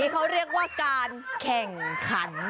เขาเรียกว่าการแข่งขัน